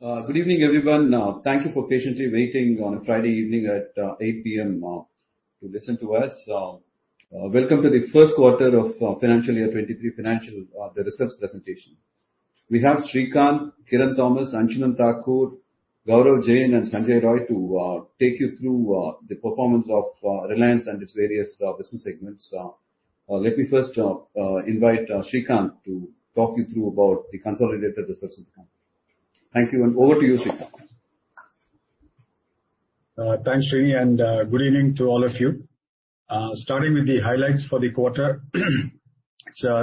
Good evening, everyone. Thank you for patiently waiting on a Friday evening at 8 P.M. to listen to us. Welcome to the Q1 of financial year 23 financial results presentation. We have Srikanth, Kiran Thomas, Anshuman Thakur, Gaurav Jain, and Sanjay Roy to take you through the performance of Reliance and its various business segments. Let me first invite Srikanth to talk you through about the consolidated results of the company. Thank you, and over to you, Srikanth. Thanks, Srini, and good evening to all of you. Starting with the highlights for the quarter.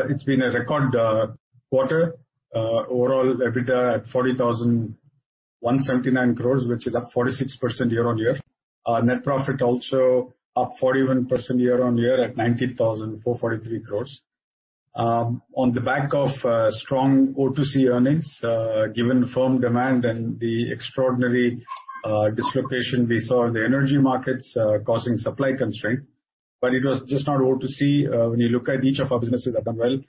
It's been a record quarter. Overall EBITDA at 40,179 crore, which is up 46% year-on-year. Net profit also up 41% year-on-year at 90,443 crore. On the back of strong O2C earnings, given firm demand and the extraordinary dislocation we saw in the energy markets, causing supply constraint. It was just not O2C, when you look at each of our businesses have done well.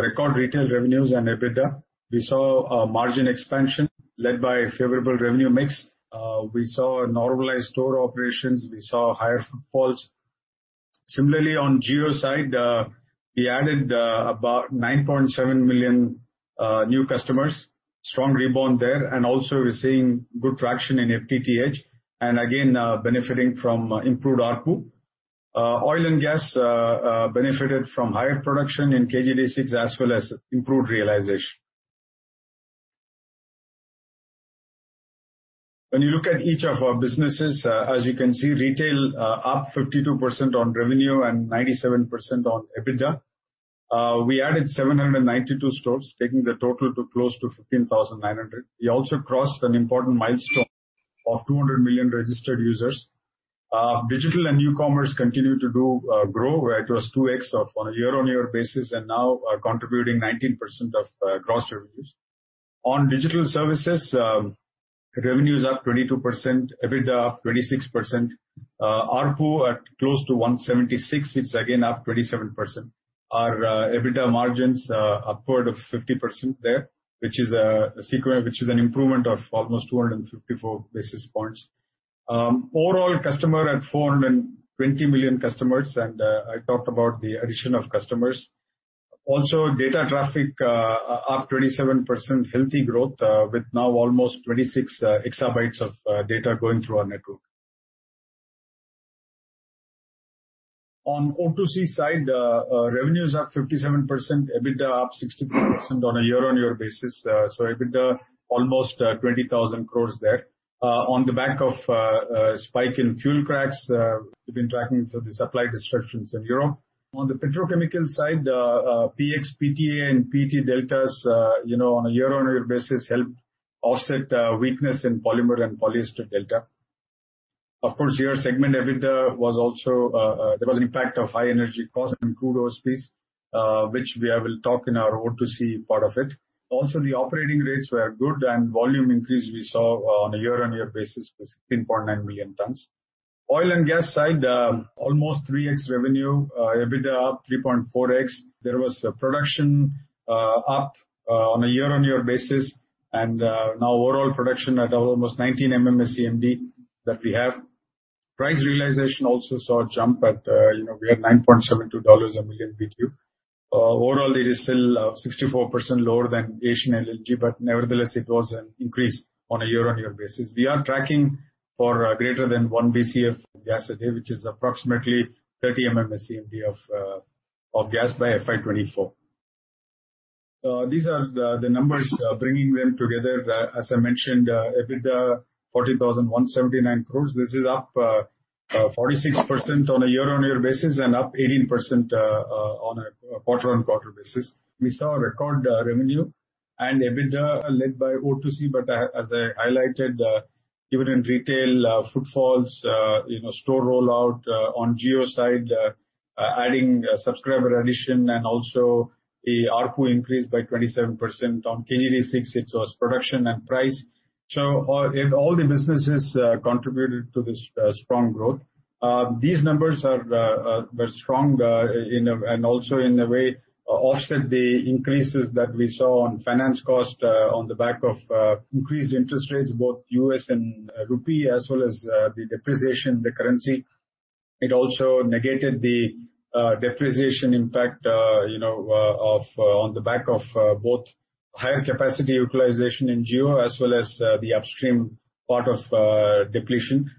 Record retail revenues and EBITDA. We saw a margin expansion led by favorable revenue mix. We saw normalized store operations. We saw higher footfalls. Similarly, on Jio side, we added about 9.7 million new customers. Strong rebound there. We're seeing good traction in FTTH, and again, benefiting from improved ARPU. Oil and gas benefited from higher production in KG D6, as well as improved realization. When you look at each of our businesses, as you can see, retail up 52% on revenue and 97% on EBITDA. We added 792 stores, taking the total to close to 15,900. We also crossed an important milestone of 200 million registered users. Digital and new commerce continue to grow, where it was 2x on a year-on-year basis, and now contributing 19% of gross revenues. On digital services, revenues up 22%, EBITDA up 26%. ARPU at close to 176, it's again up 27%. Our EBITDA margins upward of 50% there, which is an improvement of almost 254 basis points. Overall customer at 420 million customers, and I talked about the addition of customers. Also, data traffic up 27%, healthy growth, with now almost 26 exabytes of data going through our network. On O2C side, revenues up 57%, EBITDA up 64% on a year-on-year basis. So EBITDA almost 20,000 crores there, on the back of spike in fuel cracks. We've been tracking the supply disruptions in Europe. On the petrochemical side, PX, PTA and PET deltas, you know, on a year-on-year basis help offset weakness in polymer and polyester delta. Of course, here segment EBITDA was also, there was an impact of high energy costs and crude oil prices, which we will talk in our O2C part of it. Also, the operating rates were good and volume increase we saw on a year-on-year basis was 13.9 million tons. Oil and gas side, almost 3x revenue, EBITDA up 3.4x. There was a production up on a year-on-year basis, and now overall production at almost 19 MMSCMD that we have. Price realization also saw a jump at, you know, we had $9.72 a million BTU. Overall it is still 64% lower than Asian LNG, but nevertheless, it was an increase on a year-on-year basis. We are tracking for greater than 1 BCF gas a day, which is approximately 30 MMSCMD of gas by FY 2024. These are the numbers bringing them together. As I mentioned, EBITDA 40,179 crores. This is up 46% on a year-on-year basis and up 18% on a quarter-on-quarter basis. We saw a record revenue and EBITDA led by O2C, but as I highlighted, even in retail, footfalls, you know, store rollout, on Jio side, adding subscriber addition and also a ARPU increase by 27%. On KG D6 it was production and price. If all the businesses contributed to this strong growth, these numbers were strong in a... also in a way offset the increases that we saw on finance cost on the back of increased interest rates, both U.S. and rupee, as well as the depreciation of the currency. It also negated the depreciation impact you know of on the back of both higher capacity utilization in Jio as well as the upstream part of depletion.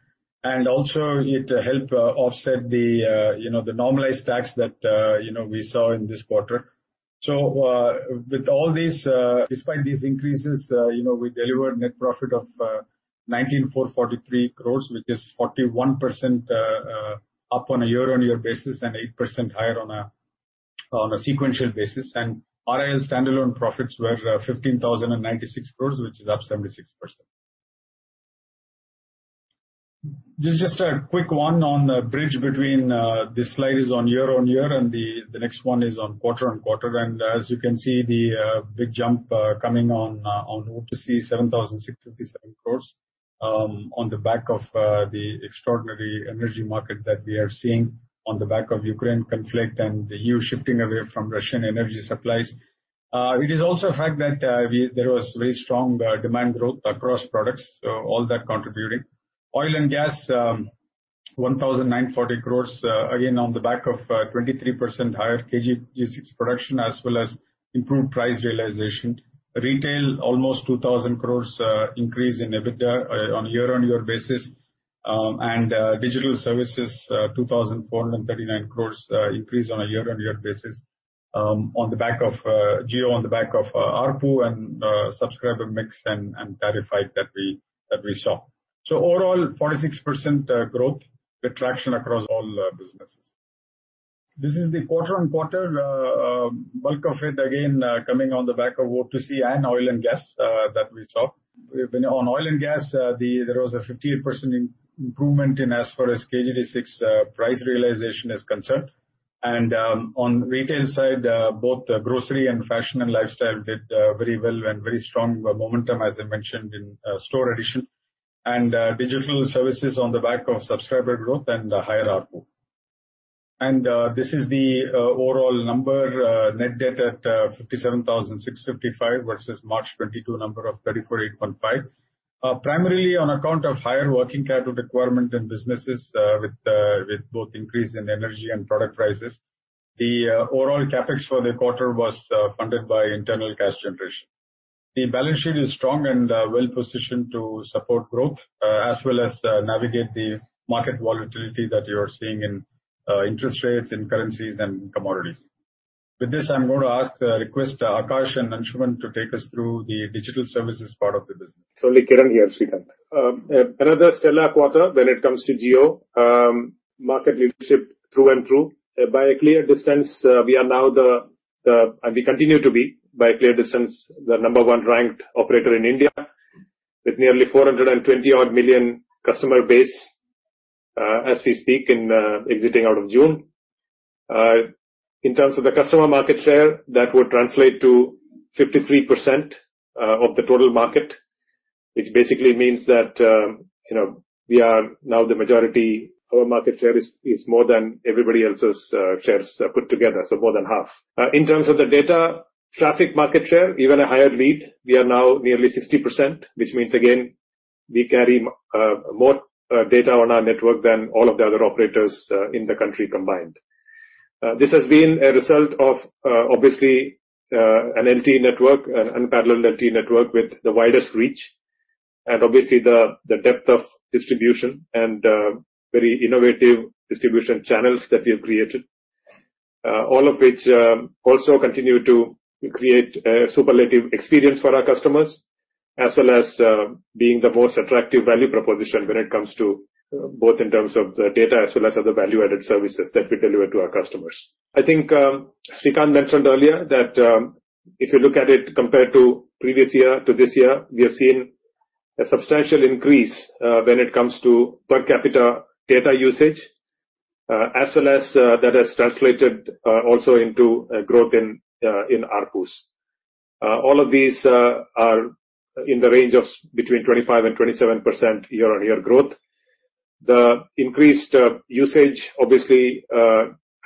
it helped offset you know the normalized tax that you know we saw in this quarter. with all these despite these increases you know we delivered net profit of 19,443 crore, which is 41% up on a year-on-year basis and 8% higher on a sequential basis. RIL standalone profits were 15,096 crore, which is up 76%. This is just a quick one on the bridge between this slide is on year-on-year and the next one is on quarter-on-quarter. As you can see, the big jump coming on O2C, 7,657 crore. On the back of the extraordinary energy market that we are seeing on the back of Ukraine conflict and the EU shifting away from Russian energy supplies. It is also a fact that there was very strong demand growth across products, so all that contributing. Oil and gas, 1,940 crore, again, on the back of 23% higher KG-D6 production as well as improved price realization. Retail, almost 2,000 crores increase in EBITDA on a year-on-year basis. Digital services, 2,439 crores increase on a year-on-year basis, on the back of Jio, on the back of ARPU and subscriber mix and tariff hike that we saw. Overall 46% growth, the traction across all businesses. This is quarter-on-quarter. Bulk of it again coming on the back of O2C and oil and gas that we saw. On oil and gas, there was a 58% improvement in price realization as far as KG D6 is concerned. On retail side, both grocery and fashion and lifestyle did very well and very strong momentum as I mentioned in store addition. Digital services on the back of subscriber growth and higher ARPU. This is the overall number, net debt at 57,655 versus March 2022 number of 34,815, primarily on account of higher working capital requirement in businesses, with both increase in energy and product prices. The overall CapEx for the quarter was funded by internal cash generation. The balance sheet is strong and well positioned to support growth, as well as navigate the market volatility that you're seeing in interest rates and currencies and commodities. With this, I'm going to request Akash and Anshuman to take us through the digital services part of the business. It's only Kiran here, Srikanth. Another stellar quarter when it comes to Jio. Market leadership through and through. By a clear distance, we continue to be, by a clear distance, the number one ranked operator in India with nearly 420 million customer base, as we speak exiting out of June. In terms of the customer market share, that would translate to 53% of the total market, which basically means that, you know, we are now the majority. Our market share is more than everybody else's shares put together, so more than half. In terms of the data traffic market share, even a higher lead. We are now nearly 60%, which means, again, we carry more data on our network than all of the other operators in the country combined. This has been a result of, obviously, a 4G network, an unparalleled 4G network with the widest reach and obviously the depth of distribution and very innovative distribution channels that we have created. All of which also continue to create a superlative experience for our customers, as well as being the most attractive value proposition when it comes to both in terms of the data as well as other value-added services that we deliver to our customers. I think, Srikanth mentioned earlier that, if you look at it compared to previous year to this year, we have seen a substantial increase, when it comes to per capita data usage, as well as, that has translated, also into a growth in ARPUs. All of these are in the range of between 25% and 27% year-on-year growth. The increased usage obviously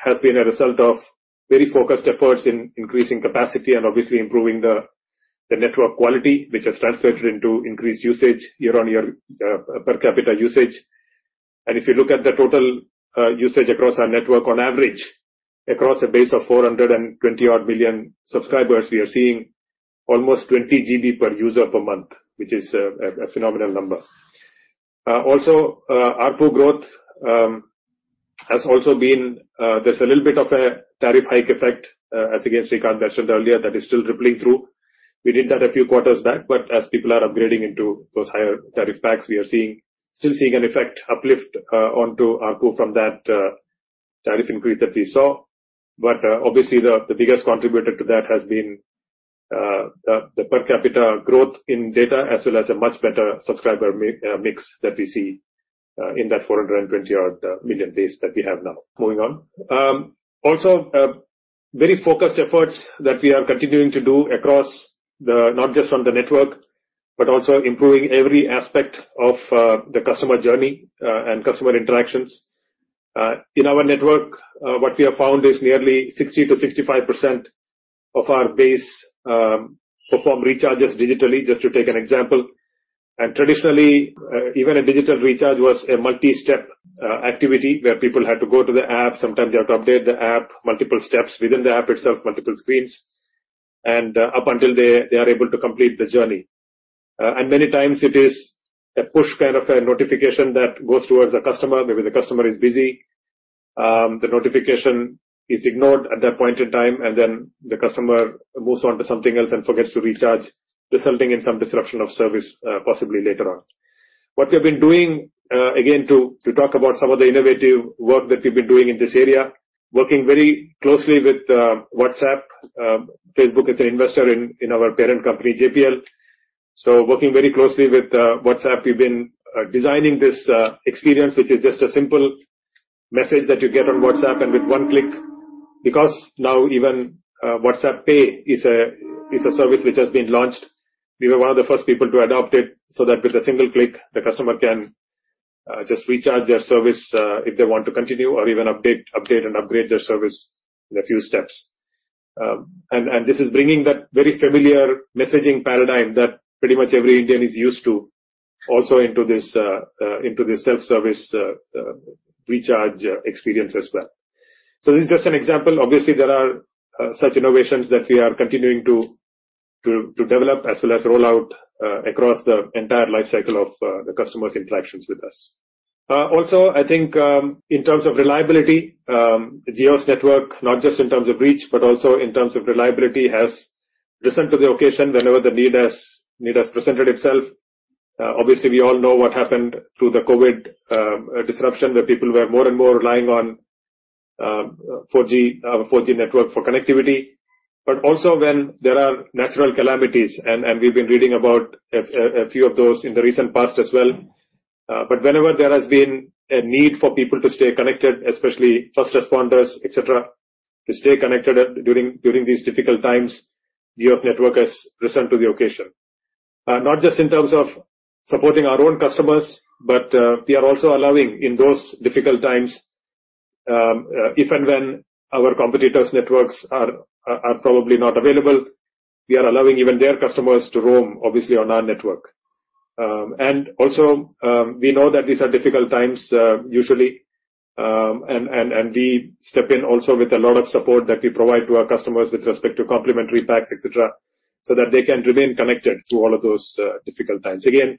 has been a result of very focused efforts in increasing capacity and obviously improving the network quality, which has translated into increased usage year-on-year per capita usage. If you look at the total usage across our network on average, across a base of 420-odd million subscribers, we are seeing almost 20 GB per user per month, which is a phenomenal number. ARPU growth has also been. There's a little bit of a tariff hike effect, as again, Srikanth mentioned earlier, that is still rippling through. We did that a few quarters back, but as people are upgrading into those higher tariff packs, we are still seeing an effect uplift onto ARPU from that tariff increase that we saw. Obviously, the biggest contributor to that has been the per capita growth in data, as well as a much better subscriber mix that we see in that 420-odd million base that we have now. Moving on. Very focused efforts that we are continuing to do across, not just on the network, but also improving every aspect of the customer journey and customer interactions. In our network, what we have found is nearly 60%-65% of our base perform recharges digitally, just to take an example. Traditionally, even a digital recharge was a multi-step activity where people had to go to the app. Sometimes they have to update the app, multiple steps within the app itself, multiple screens, and up until they are able to complete the journey. Many times it is a push kind of a notification that goes towards the customer. Maybe the customer is busy, the notification is ignored at that point in time, and then the customer moves on to something else and forgets to recharge, resulting in some disruption of service, possibly later on. What we've been doing, again, to talk about some of the innovative work that we've been doing in this area, working very closely with WhatsApp. Facebook is an investor in our parent company, JPL. Working very closely with WhatsApp, we've been designing this experience, which is just a simple message that you get on WhatsApp and with one click, because now even WhatsApp Pay is a service which has been launched. We were one of the first people to adopt it, so that with a single click, the customer can just recharge their service, if they want to continue or even update and upgrade their service in a few steps. This is bringing that very familiar messaging paradigm that pretty much every Indian is used to also into this self-service recharge experience as well. This is just an example. Obviously, there are such innovations that we are continuing to develop as well as roll out across the entire life cycle of the customer's interactions with us. Also I think in terms of reliability Jio's network, not just in terms of reach, but also in terms of reliability, has risen to the occasion whenever the need has presented itself. Obviously, we all know what happened through the COVID disruption, where people were more and more relying on 4G network for connectivity. Also when there are natural calamities, and we've been reading about a few of those in the recent past as well. Whenever there has been a need for people to stay connected, especially first responders, et cetera, to stay connected during these difficult times, Jio's network has risen to the occasion. Not just in terms of supporting our own customers, but we are also allowing, in those difficult times, if and when our competitors' networks are probably not available, we are allowing even their customers to roam, obviously, on our network. We know that these are difficult times, usually, and we step in also with a lot of support that we provide to our customers with respect to complementary packs, et cetera, so that they can remain connected through all of those difficult times. Again,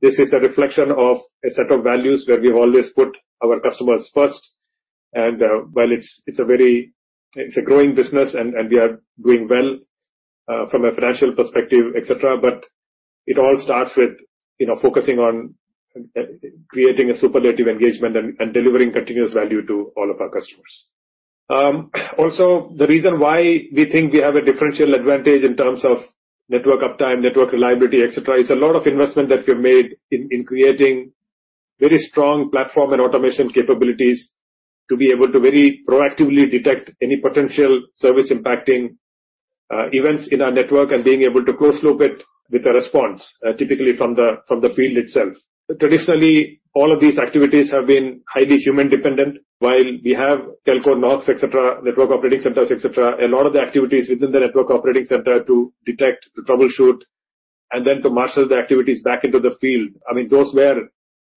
this is a reflection of a set of values where we've always put our customers first and, while it's a growing business and we are doing well from a financial perspective, et cetera. It all starts with, you know, focusing on creating a superlative engagement and delivering continuous value to all of our customers. Also the reason why we think we have a differential advantage in terms of network uptime, network reliability, et cetera, is a lot of investment that we've made in creating very strong platform and automation capabilities to be able to very proactively detect any potential service impacting events in our network and being able to close loop it with a response, typically from the field itself. Traditionally, all of these activities have been highly human-dependent. While we have telco NOCs, et cetera, network operating centers, et cetera, a lot of the activities within the network operating center to detect, to troubleshoot and then to marshal the activities back into the field, I mean, those were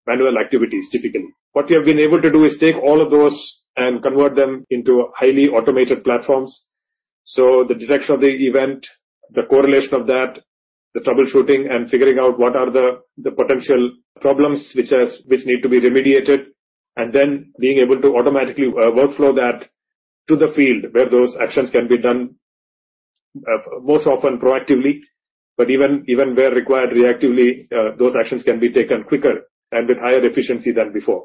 manual activities, typically. What we have been able to do is take all of those and convert them into highly automated platforms. The detection of the event, the correlation of that, the troubleshooting and figuring out what are the potential problems which need to be remediated, and then being able to automatically workflow that to the field, where those actions can be done most often proactively, but even where required reactively, those actions can be taken quicker and with higher efficiency than before.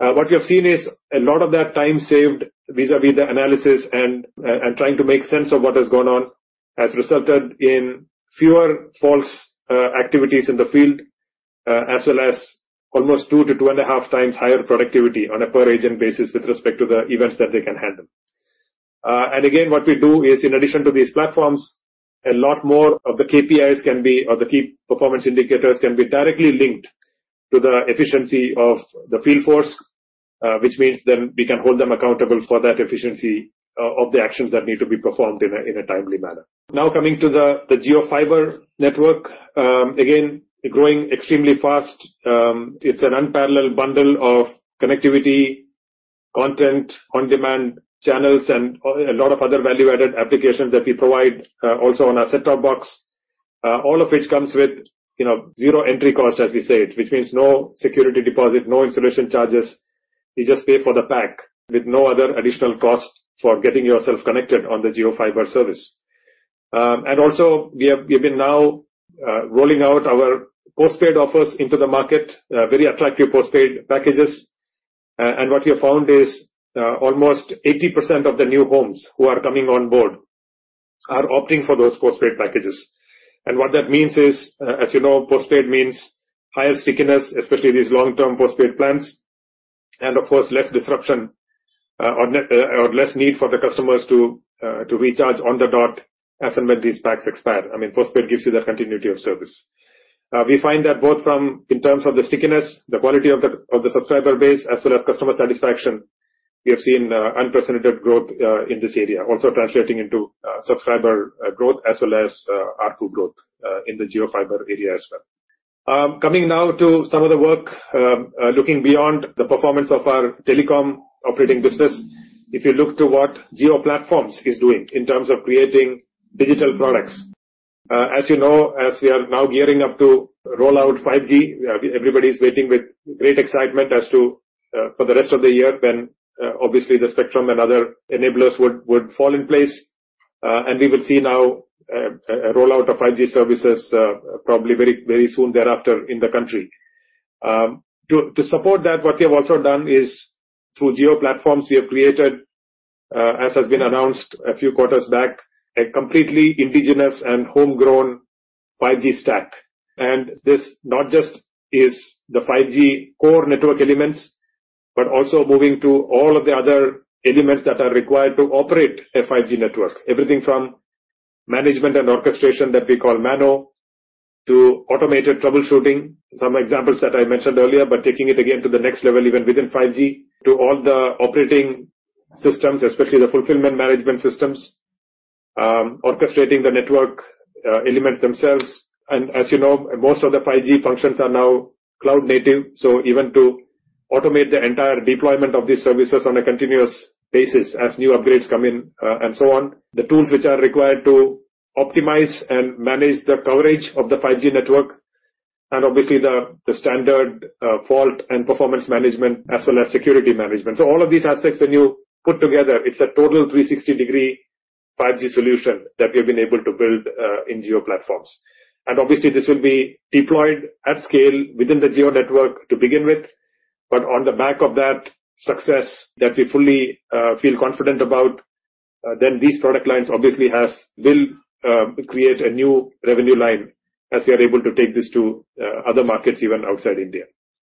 What we have seen is a lot of that time saved vis-à-vis the analysis and trying to make sense of what has gone on, has resulted in fewer false activities in the field, as well as almost 2-2.5 times higher productivity on a per agent basis with respect to the events that they can handle. Again, what we do is, in addition to these platforms, a lot more of the KPIs can be, or the key performance indicators can be directly linked to the efficiency of the field force, which means then we can hold them accountable for that efficiency of the actions that need to be performed in a timely manner. Now coming to the JioFiber network. Again, growing extremely fast. It's an unparalleled bundle of connectivity, content on demand channels and a lot of other value-added applications that we provide, also on our set-top box. All of which comes with, you know, zero entry cost, as we say it, which means no security deposit, no installation charges. You just pay for the pack with no other additional cost for getting yourself connected on the JioFiber service. Also we have, we've been now rolling out our postpaid offers into the market, very attractive postpaid packages. What we have found is, almost 80% of the new homes who are coming on board are opting for those postpaid packages. What that means is, as you know, postpaid means higher stickiness, especially these long-term postpaid plans, and of course, less disruption, or less need for the customers to recharge on the dot as and when these packs expire. I mean, postpaid gives you that continuity of service. We find that both from, in terms of the stickiness, the quality of the subscriber base, as well as customer satisfaction, we have seen unprecedented growth in this area, also translating into subscriber growth as well as ARPU growth in the JioFiber area as well. Coming now to some of the work looking beyond the performance of our telecom operating business. If you look to what Jio Platforms is doing in terms of creating digital products. As you know, as we are now gearing up to roll out 5G, everybody's waiting with great excitement for the rest of the year when obviously the spectrum and other enablers would fall in place. We will see now a roll-out of 5G services, probably very, very soon thereafter in the country. To support that, what we have also done is through Jio Platforms, we have created, as has been announced a few quarters back, a completely indigenous and homegrown 5G stack. This not just is the 5G core network elements, but also moving to all of the other elements that are required to operate a 5G network. Everything from management and orchestration, that we call MANO, to automated troubleshooting. Some examples that I mentioned earlier, but taking it again to the next level, even within 5G, to all the operating systems, especially the fulfillment management systems, orchestrating the network, elements themselves. As you know, most of the 5G functions are now cloud-native, so even to automate the entire deployment of these services on a continuous basis as new upgrades come in. The tools which are required to optimize and manage the coverage of the 5G network, and obviously the standard fault and performance management as well as security management. All of these aspects, when you put together, it's a total 360-degree 5G solution that we've been able to build in Jio Platforms. Obviously, this will be deployed at scale within the Jio network to begin with. On the back of that success that we fully feel confident about, then these product lines obviously will create a new revenue line as we are able to take this to other markets, even outside India.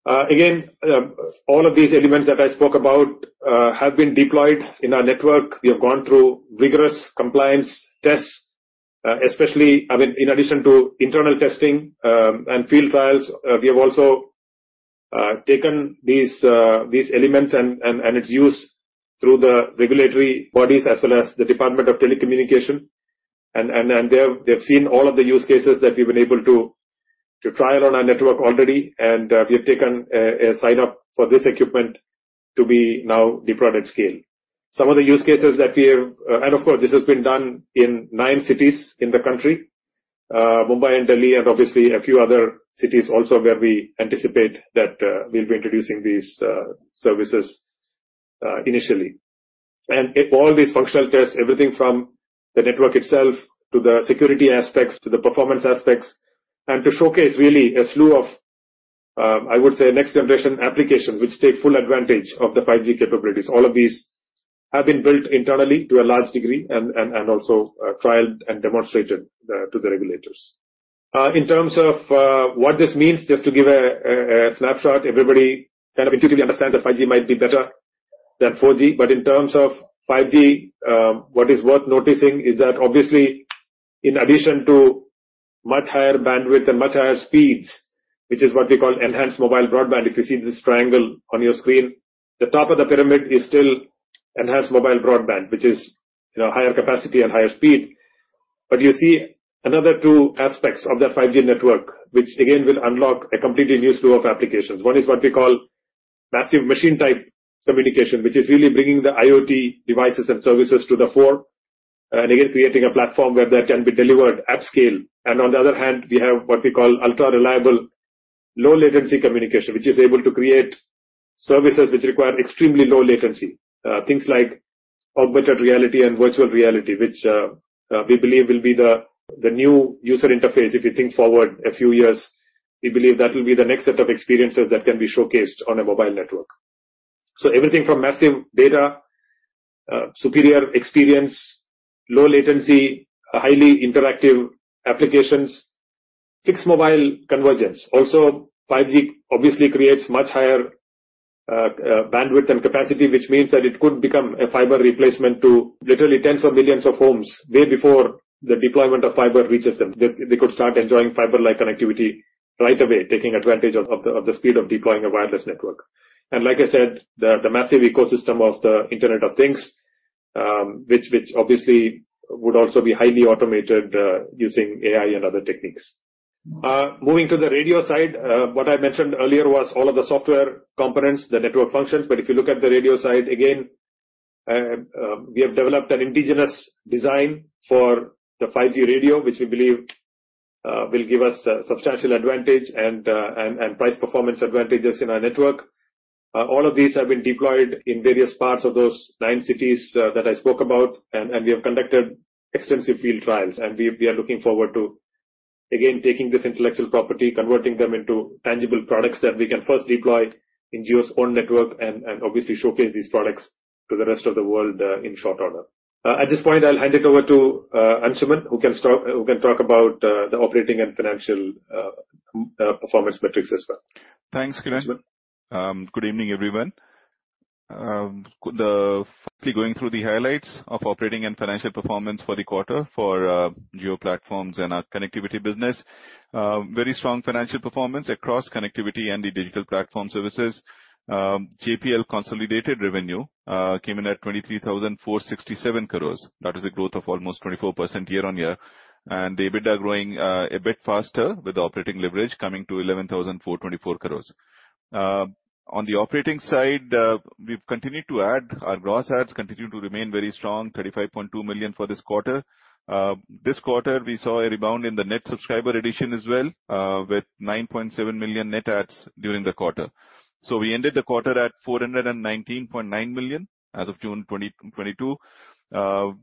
Again, all of these elements that I spoke about have been deployed in our network. We have gone through rigorous compliance tests, especially, I mean, in addition to internal testing, and field trials, we have also taken these elements and its use through the regulatory bodies as well as the Department of Telecommunications. They have seen all of the use cases that we've been able to try it on our network already. We have taken a sign-off for this equipment to be now deployed at scale. Some of the use cases that we have... Of course, this has been done in nine cities in the country, Mumbai and Delhi, and obviously a few other cities also where we anticipate that we'll be introducing these services initially. All these functional tests, everything from the network itself to the security aspects to the performance aspects, and to showcase really a slew of, I would say, next generation applications which take full advantage of the 5G capabilities. All of these have been built internally to a large degree and also trialed and demonstrated to the regulators. In terms of what this means, just to give a snapshot, everybody kind of intuitively understands that 5G might be better than 4G. In terms of 5G, what is worth noticing is that obviously, in addition to much higher bandwidth and much higher speeds, which is what we call enhanced mobile broadband. If you see this triangle on your screen, the top of the pyramid is still enhanced mobile broadband, which is, you know, higher capacity and higher speed. You see another two aspects of that 5G network, which again will unlock a completely new slew of applications. One is what we call massive machine-type communication, which is really bringing the IoT devices and services to the fore, and again, creating a platform where that can be delivered at scale. On the other hand, we have what we call ultra-reliable low-latency communication, which is able to create services which require extremely low latency. Things like augmented reality and virtual reality, which we believe will be the new user interface. If you think forward a few years, we believe that will be the next set of experiences that can be showcased on a mobile network. Everything from massive data, superior experience, low latency, highly interactive applications, fixed mobile convergence. Also, 5G obviously creates much higher bandwidth and capacity, which means that it could become a fiber replacement to literally tens of millions of homes way before the deployment of fiber reaches them. They could start enjoying fiber-like connectivity right away, taking advantage of the speed of deploying a wireless network. Like I said, the massive ecosystem of the Internet of Things, which obviously would also be highly automated, using AI and other techniques. Moving to the radio side, what I mentioned earlier was all of the software components, the network functions. If you look at the radio side, again, we have developed an indigenous design for the 5G radio, which we believe will give us substantial advantage and price-performance advantages in our network. All of these have been deployed in various parts of those nine cities that I spoke about. We have conducted extensive field trials, and we are looking forward to, again, taking this intellectual property, converting them into tangible products that we can first deploy in Jio's own network and obviously showcase these products to the rest of the world in short order. At this point, I'll hand it over to Anshuman, who can start. Who can talk about the operating and financial performance metrics as well? Thanks, Kiran. Good evening, everyone. Quickly going through the highlights of operating and financial performance for the quarter for Jio Platforms and our connectivity business. Very strong financial performance across connectivity and the digital platform services. JPL consolidated revenue came in at 23,467 crores. That is a growth of almost 24% year-on-year. The EBITDA growing a bit faster with operating leverage coming to 11,424 crores. On the operating side, we've continued to add. Our gross adds continued to remain very strong, 35.2 million for this quarter. This quarter, we saw a rebound in the net subscriber addition as well, with 9.7 million net adds during the quarter. We ended the quarter at 419.9 million as of June 2022,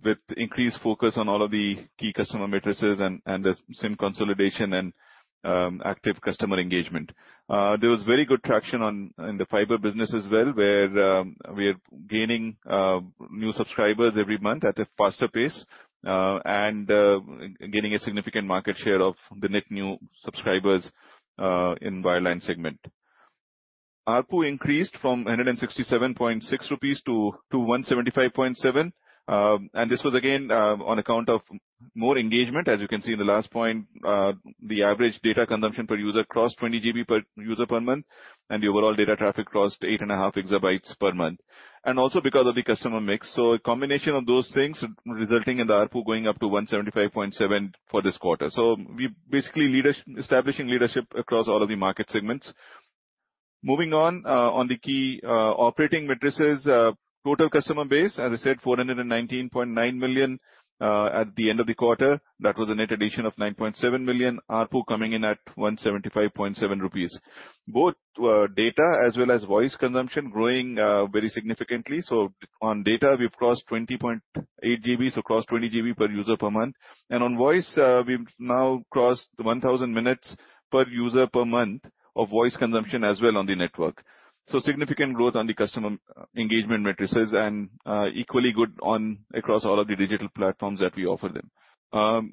with increased focus on all of the key customer metrics and the SIM consolidation and active customer engagement. There was very good traction in the fiber business as well, where we are gaining new subscribers every month at a faster pace and gaining a significant market share of the net new subscribers in wireline segment. ARPU increased from 167.6 rupees to 175.7. This was again on account of more engagement. As you can see in the last point, the average data consumption per user crossed 20 GB per user per month, and the overall data traffic crossed 8.5 exabytes per month. Also because of the customer mix. A combination of those things resulting in the ARPU going up to 175.7 for this quarter. We basically establishing leadership across all of the market segments. Moving on the key operating metrics, total customer base, as I said, 419.9 million, at the end of the quarter. That was a net addition of 9.7 million. ARPU coming in at 175.7 rupees. Both data as well as voice consumption growing very significantly. On data, we've crossed 20.8 GB, so crossed 20 GB per user per month. On voice, we've now crossed 1,000 minutes per user per month of voice consumption as well on the network. Significant growth on the customer engagement matrices and, equally good across all of the digital platforms that we offer them.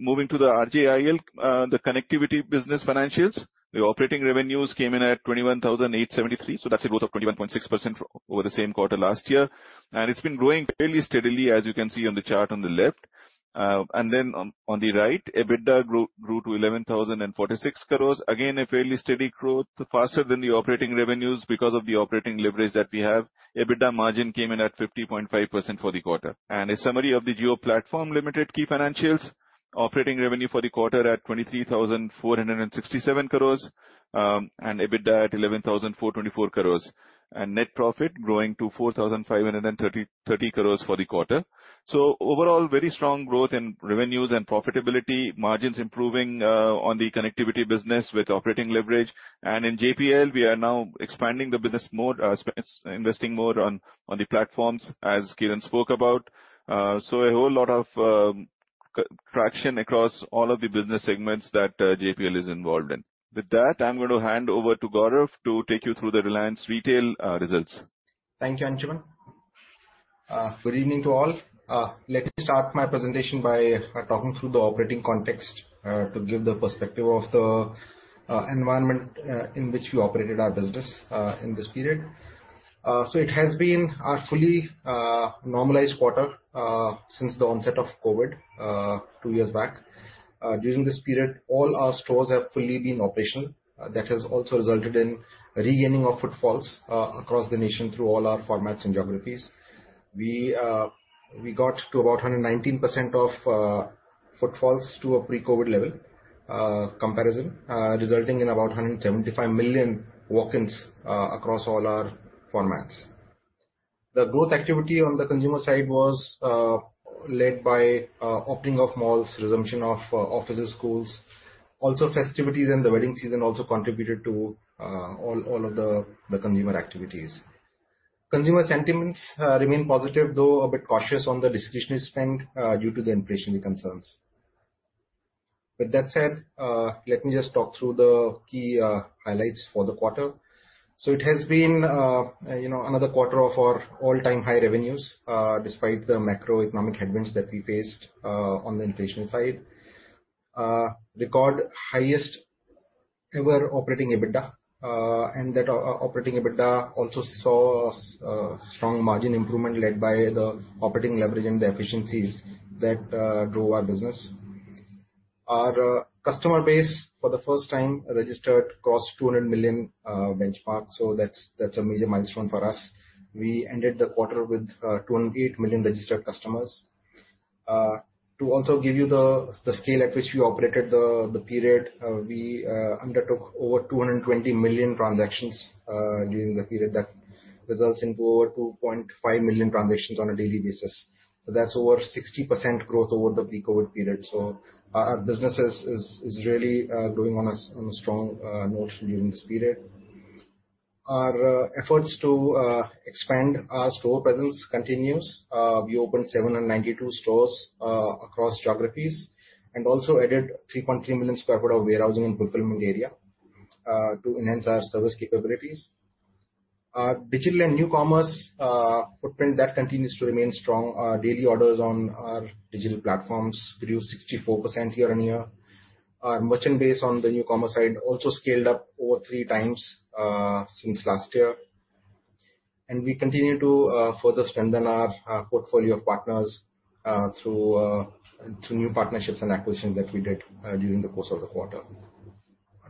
Moving to the RJIL, the connectivity business financials. The operating revenues came in at 21,873 crore, so that's a growth of 21.6% over the same quarter last year. It's been growing fairly steadily as you can see on the chart on the left. And then on the right, EBITDA grew to 11,046 crore. Again, a fairly steady growth, faster than the operating revenues because of the operating leverage that we have. EBITDA margin came in at 50.5% for the quarter. A summary of the Jio Platforms Limited key financials. Operating revenue for the quarter at 23,467 crores, and EBITDA at 11,424 crores. Net profit growing to 4,530 crores for the quarter. Overall, very strong growth in revenues and profitability. Margins improving on the connectivity business with operating leverage. In JPL, we are now expanding the business more, investing more on the platforms, as Kiran spoke about. A whole lot of traction across all of the business segments that JPL is involved in. With that, I'm going to hand over to Gaurav to take you through the Reliance Retail results. Thank you, Anshuman. Good evening to all. Let me start my presentation by talking through the operating context to give the perspective of the environment in which we operated our business in this period. It has been a fully normalized quarter since the onset of COVID two years back. During this period, all our stores have fully been operational. That has also resulted in regaining of footfalls across the nation through all our formats and geographies. We got to about 119% of footfalls to a pre-COVID level comparison resulting in about 175 million walk-ins across all our formats. The growth activity on the consumer side was led by opening of malls, resumption of offices, schools. Festivities and the wedding season also contributed to all of the consumer activities. Consumer sentiments remain positive, though a bit cautious on the discretionary spend due to the inflationary concerns. With that said, let me just talk through the key highlights for the quarter. It has been, you know, another quarter of our all-time high revenues despite the macroeconomic headwinds that we faced on the inflation side. Record highest ever operating EBITDA, and that operating EBITDA also saw a strong margin improvement led by the operating leverage and the efficiencies that drove our business. Our customer base for the first time registered crossed 200 million benchmark. That's a major milestone for us. We ended the quarter with 208 million registered customers. To also give you the scale at which we operated the period, we undertook over 220 million transactions during the period. That results in over 2.5 million transactions on a daily basis. That's over 60% growth over the pre-COVID period. Our business is really growing on a strong note during this period. Our efforts to expand our store presence continues. We opened 792 stores across geographies and also added 3.3 million sq ft of warehousing and fulfillment area to enhance our service capabilities. Our digital and new commerce footprint that continues to remain strong. Our daily orders on our digital platforms grew 64% year-on-year. Our merchant base on the new commerce side also scaled up over three times since last year. We continue to further strengthen our portfolio of partners through new partnerships and acquisitions that we did during the course of the quarter.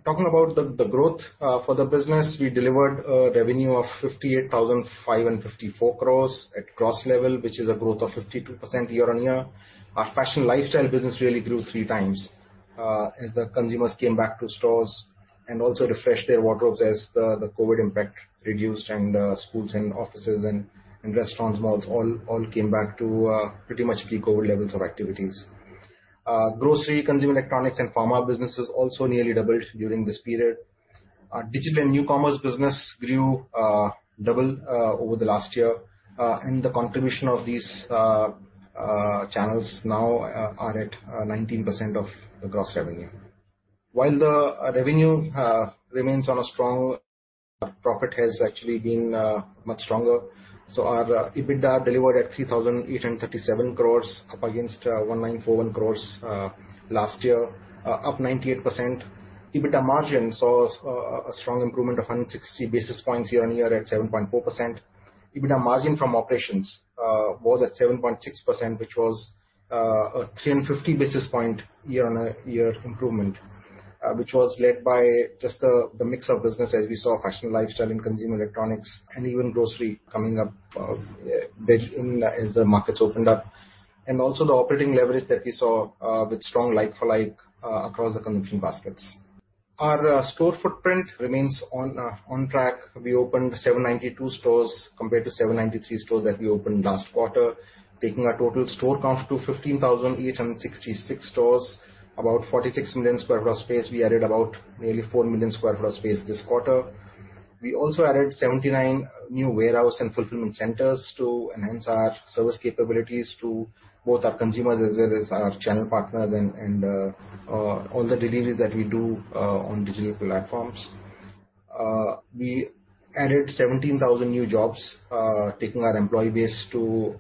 Talking about the growth for the business, we delivered a revenue of 58,554 crores at gross level, which is a growth of 52% year-on-year. Our fashion lifestyle business really grew three times as the consumers came back to stores and also refreshed their wardrobes as the COVID impact reduced and schools and offices and restaurants, malls all came back to pretty much pre-COVID levels of activities. Grocery, consumer electronics and pharma businesses also nearly doubled during this period. Our digital and new commerce business grew double over the last year, and the contribution of these channels now are at 19% of the gross revenue. While the revenue remains strong, profit has actually been much stronger. Our EBITDA delivered at 3,837 crores up against 1,941 crores last year, up 98%. EBITDA margin saw a strong improvement of 160 basis points year-on-year at 7.4%. EBITDA margin from operations was at 7.6%, which was a 350 basis point year-on-year improvement, which was led by just the mix of business as we saw fashion and lifestyle and consumer electronics and even grocery coming up, build in as the markets opened up, and also the operating leverage that we saw with strong like-for-like across the consumption baskets. Our store footprint remains on track. We opened 792 stores compared to 793 stores that we opened last quarter, taking our total store count to 15,866 stores. About 46 million sq ft of space. We added about nearly 4 million sq ft of space this quarter. We also added 79 new warehouse and fulfillment centers to enhance our service capabilities to both our consumers as well as our channel partners and all the deliveries that we do on digital platforms. We added 17,000 new jobs, taking our employee base to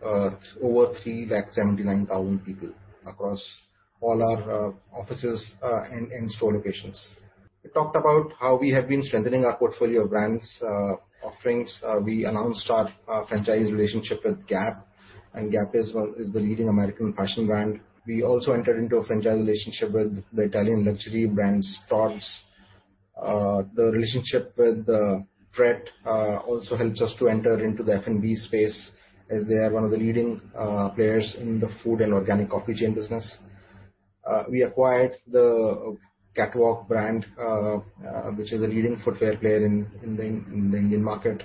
over 3,79,000 people across all our offices and store locations. We talked about how we have been strengthening our portfolio of brands, offerings. We announced our franchise relationship with Gap, and Gap is the leading American fashion brand. We also entered into a franchise relationship with the Italian luxury brand Tod's. The relationship with Pret also helps us to enter into the F&B space, as they are one of the leading players in the food and organic coffee chain business. We acquired the Catwalk brand, which is a leading footwear player in the Indian market.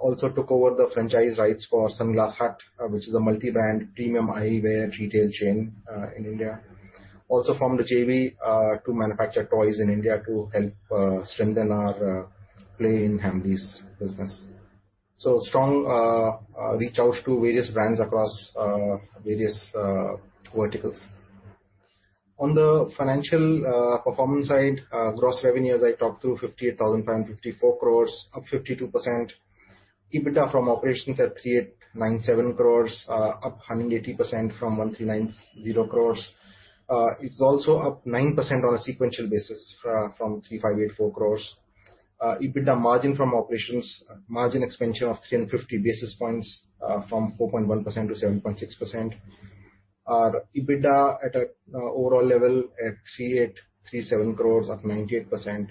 Also took over the franchise rights for Sunglass Hut, which is a multi-brand premium eyewear retail chain in India. Also formed a JV to manufacture toys in India to help strengthen our play in Hamleys business. Strong outreach to various brands across various verticals. On the financial performance side, gross revenue, as I talked through, 58,554 crores, up 52%. EBITDA from operations at 3,897 crores, up 180% from 1,390 crores. It's also up 9% on a sequential basis from 3,584 crores. EBITDA margin from operations, margin expansion of 350 basis points, from 4.1% to 7.6%. Our EBITDA at an overall level at 3,837 crore, up 98%.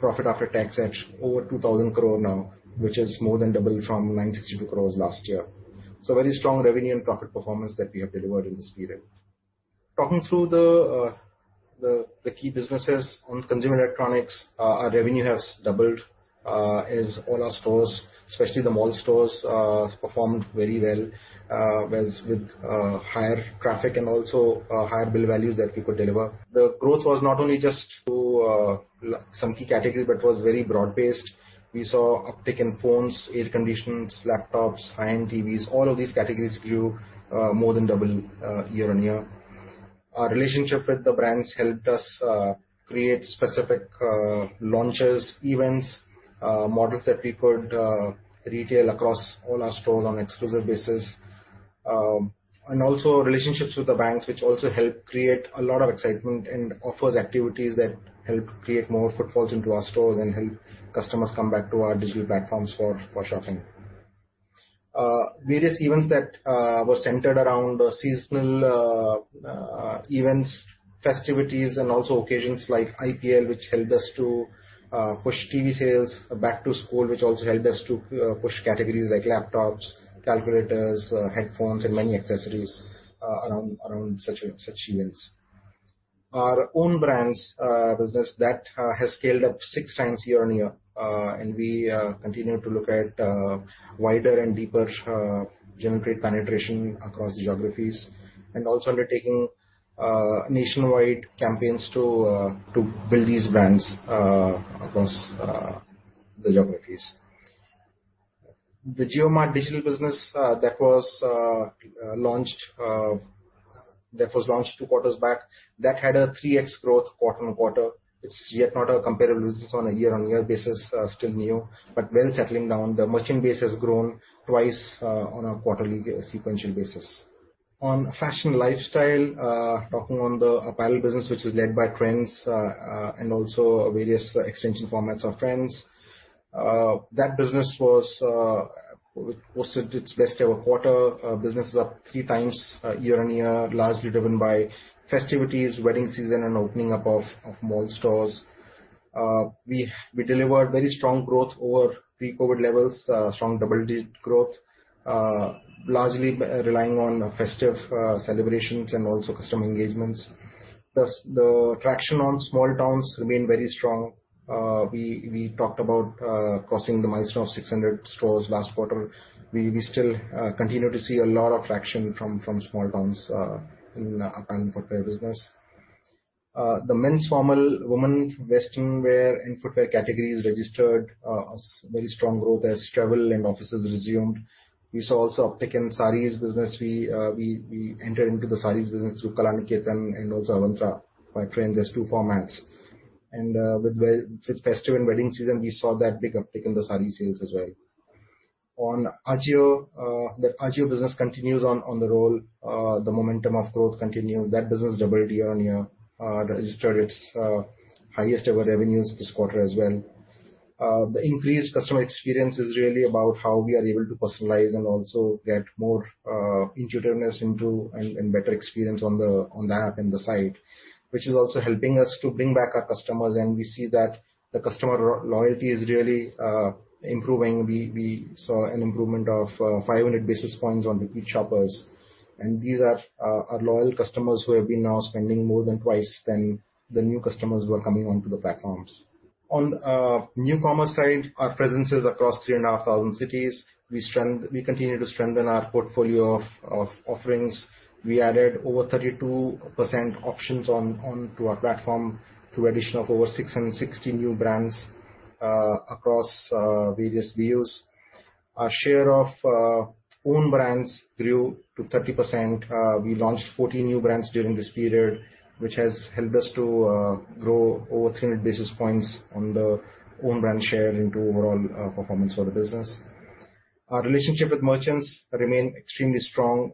Profit after tax at over 2,000 crore now, which is more than double from 962 crore last year. Very strong revenue and profit performance that we have delivered in this period. Talking through the key businesses. On consumer electronics, our revenue has doubled, as all our stores, especially the mall stores, performed very well, as with higher traffic and also higher bill values that we could deliver. The growth was not only just due to some key categories, but it was very broad-based. We saw uptick in phones, air conditioners, laptops, high-end TVs. All of these categories grew more than double year-on-year. Our relationship with the brands helped us create specific launches, events, models that we could retail across all our stores on exclusive basis. And also relationships with the banks, which also helped create a lot of excitement and offers activities that help create more footfalls into our stores and help customers come back to our digital platforms for shopping. Various events that were centered around seasonal events, festivities, and also occasions like IPL, which helped us to push TV sales. Back to school, which also helped us to push categories like laptops, calculators, headphones and many accessories around such events. Our own brands business that has scaled up six times year-on-year. We continue to look at wider and deeper geographic penetration across geographies, and also undertaking nationwide campaigns to build these brands across the geographies. The JioMart Digital business that was launched Q2back had a 3x growth quarter-on-quarter. It's yet not a comparable business on a year-on-year basis, still new, but well settling down. The merchant base has grown twice on a quarterly sequential basis. On fashion and lifestyle, talking on the apparel business, which is led by Trends, and also various extension formats of Trends. That business posted its best ever quarter. Business is up 3x year-on-year, largely driven by festivities, wedding season, and opening up of mall stores. We delivered very strong growth over pre-COVID levels, strong double-digit growth, largely relying on festive celebrations and also customer engagements. Plus, the traction on small towns remained very strong. We talked about crossing the milestone of 600 stores last quarter. We still continue to see a lot of traction from small towns in our apparel and footwear business. The men's formal, women's western wear and footwear categories registered very strong growth as travel and offices resumed. We saw also uptick in sarees business. We entered into the sarees business through Kalanikethan and also Avantra by Trends, there's two formats. With festive and wedding season, we saw that big uptick in the saree sales as well. On AJIO, the AJIO business continues on the roll. The momentum of growth continues. That business doubled year-on-year, registered its highest ever revenues this quarter as well. The increased customer experience is really about how we are able to personalize and also get more intuitiveness into and better experience on the app and the site, which is also helping us to bring back our customers, and we see that the customer loyalty is really improving. We saw an improvement of 500 basis points on repeat shoppers, and these are our loyal customers who have been now spending more than twice than the new customers who are coming onto the platforms. On New Commerce side, our presence is across 3,500 cities. We continue to strengthen our portfolio of offerings. We added over 32% options on to our platform through addition of over 660 new brands across various VOs. Our share of own brands grew to 30%. We launched 14 new brands during this period, which has helped us to grow over 300 basis points on the own brand share into overall performance for the business. Our relationship with merchants remain extremely strong.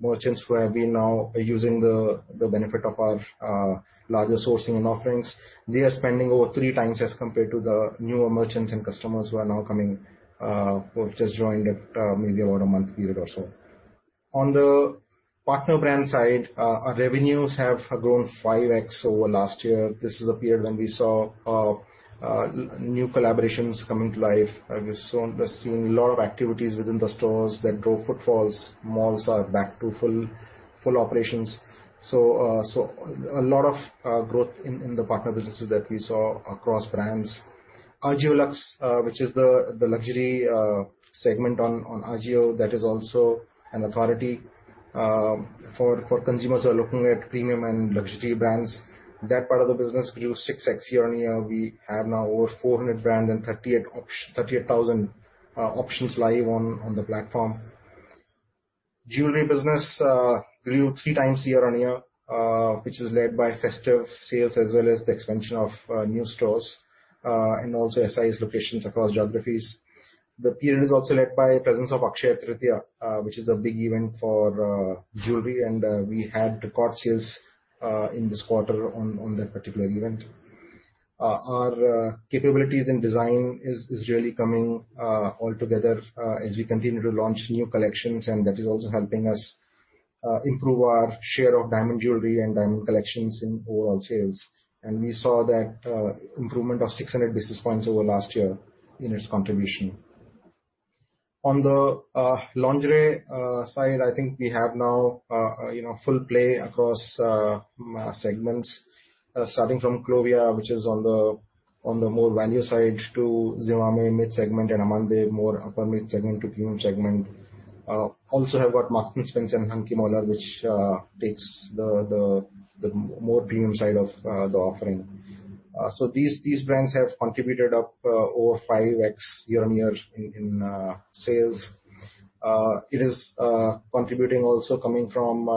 Merchants who have been now using the benefit of our larger sourcing and offerings, they are spending over three times as compared to the newer merchants and customers who are now coming who have just joined at maybe about a month period or so. On the partner brand side, our revenues have grown 5x over last year. This is a period when we saw new collaborations coming to life. We're seeing a lot of activities within the stores that grow footfalls. Malls are back to full operations. A lot of growth in the partner businesses that we saw across brands. AJIO LUXE, which is the luxury segment on AJIO, that is also an authority for consumers who are looking at premium and luxury brands. That part of the business grew 6x year-on-year. We have now over 400 brands and 38,000 options live on the platform. Jewelry business grew three times year-on-year, which is led by festive sales as well as the expansion of new stores and also SIS locations across geographies. The period is also led by presence of Akshaya Tritiya, which is a big event for jewelry, and we had good traction in this quarter on that particular event. Our capabilities in design is really coming all together as we continue to launch new collections, and that is also helping us improve our share of diamond jewelry and diamond collections in overall sales. We saw that improvement of 600 basis points over last year in its contribution. On the lingerie side, I think we have now you know, full play across segments starting from Clovia, which is on the more value side, to Zivame mid segment and Amante more upper mid segment to premium segment. Also have got Marks & Spencer and Hunkemöller, which takes the more premium side of the offering. These brands have contributed up over 5x year-on-year in sales. It is contributing also coming from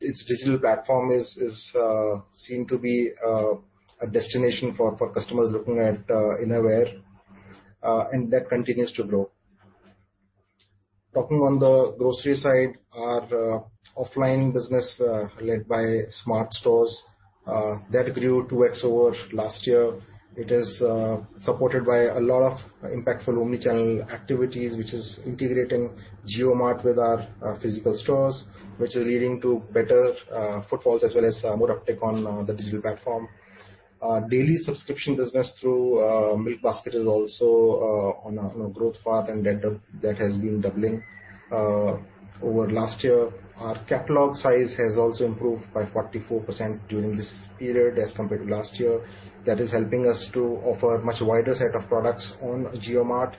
its digital platform, which seems to be a destination for customers looking at innerwear, and that continues to grow. Talking on the grocery side, our offline business led by Reliance SMART that grew 2x over last year. It is supported by a lot of impactful omni-channel activities, which is integrating JioMart with our physical stores, which is leading to better footfalls as well as more uptake on the digital platform. Our daily subscription business through Milkbasket is also on a growth path, and that has been doubling over last year. Our catalog size has also improved by 44% during this period as compared to last year. That is helping us to offer a much wider set of products on JioMart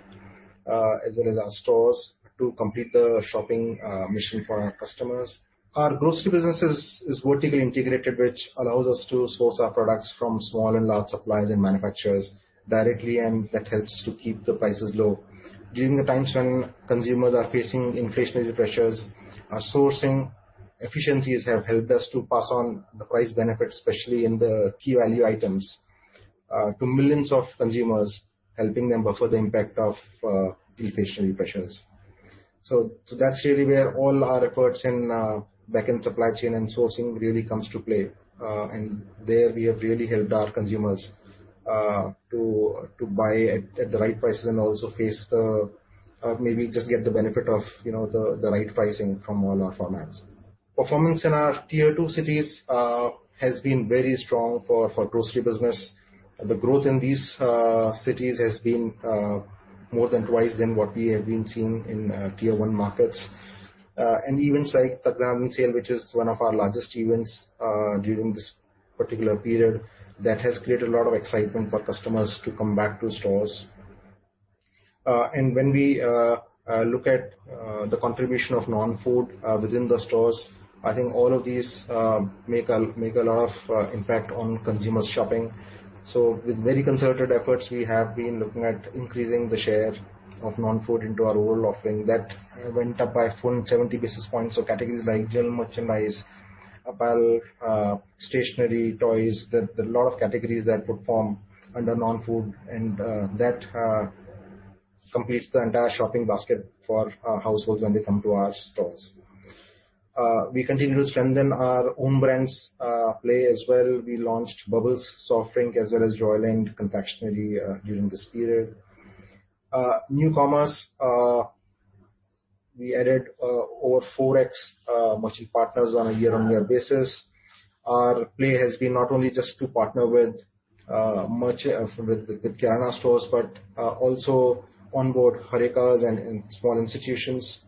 as well as our stores to complete the shopping mission for our customers. Our grocery business is vertically integrated, which allows us to source our products from small and large suppliers and manufacturers directly, and that helps to keep the prices low. During the times when consumers are facing inflationary pressures, our sourcing efficiencies have helped us to pass on the price benefits, especially in the key value items to millions of consumers, helping them buffer the impact of the inflationary pressures. That's really where all our efforts in backend supply chain and sourcing really comes to play, and there we have really helped our consumers to buy at the right prices and also get the benefit of, you know, the right pricing from all our formats. Performance in our tier two cities has been very strong for grocery business. The growth in these cities has been more than twice than what we have been seeing in tier one markets. Events like Dhamaka Sale, which is one of our largest events, during this particular period, that has created a lot of excitement for customers to come back to stores. When we look at the contribution of non-food within the stores, I think all of these make a lot of impact on consumers shopping. With very concerted efforts, we have been looking at increasing the share of non-food into our overall offering. That went up by a full 70 basis points. Categories like general merchandise, apparel, stationery, toys, the lot of categories that perform under non-food, and that completes the entire shopping basket for our households when they come to our stores. We continue to strengthen our own brands play as well. We launched Bubbles soft drink as well as Bubbles & Confectionery during this period. New commerce, we added over 4X merchant partners on a year-on-year basis. Our play has been not only just to partner with the kirana stores, but also onboard HoReCas and small institutions.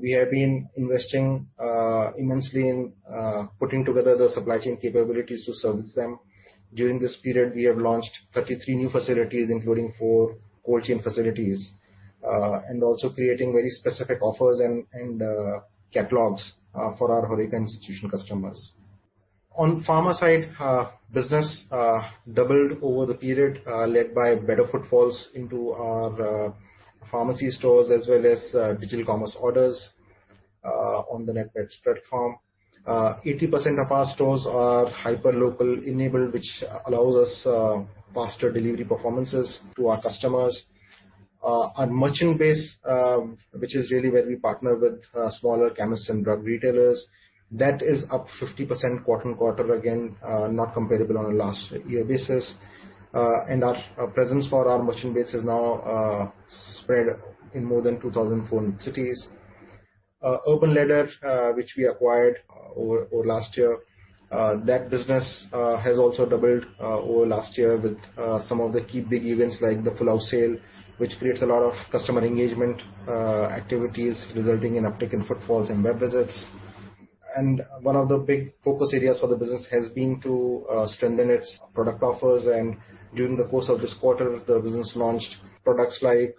We have been investing immensely in putting together the supply chain capabilities to service them. During this period, we have launched 33 new facilities, including four cold chain facilities and also creating very specific offers and catalogs for our HoReCa institutional customers. On pharma side, business doubled over the period, led by better footfalls into our pharmacy stores as well as digital commerce orders on the Netmeds platform. 80% of our stores are hyperlocal enabled, which allows us faster delivery performances to our customers. On merchant base, which is really where we partner with smaller chemists and drug retailers, that is up 50% quarter-over-quarter, again not comparable on a last year basis. Our presence for our merchant base is now spread in more than 2,000 foreign cities. Urban Ladder, which we acquired over last year, that business has also doubled over last year with some of the key big events like the Full House Sale, which creates a lot of customer engagement activities resulting in uptick in footfalls and web visits. One of the big focus areas for the business has been to strengthen its product offers. During the course of this quarter, the business launched products like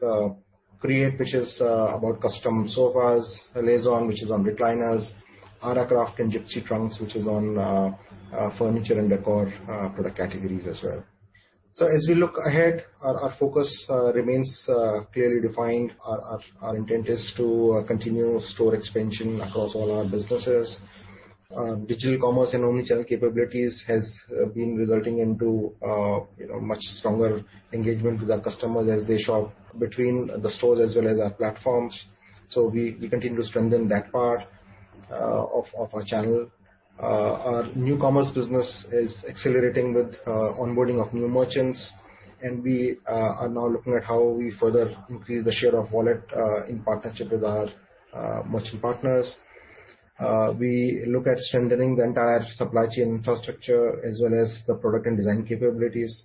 Create, which is about custom sofas, La-Z-Boy, which is on recliners, Aracraft and Gypsy Trunks, which is on furniture and decor product categories as well. As we look ahead, our focus remains clearly defined. Our intent is to continue store expansion across all our businesses. Digital commerce and omni-channel capabilities has been resulting into you know, much stronger engagement with our customers as they shop between the stores as well as our platforms. We continue to strengthen that part of our channel. Our new commerce business is accelerating with onboarding of new merchants, and we are now looking at how we further increase the share of wallet in partnership with our merchant partners. We look at strengthening the entire supply chain infrastructure as well as the product and design capabilities.